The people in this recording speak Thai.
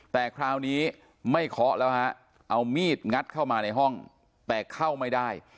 แต่คราวนี้ไม่เคาะแล้วฮะเอามีดงัดเข้ามาในห้องแต่เข้าไม่ได้